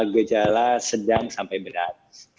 gejala sedang sampai berat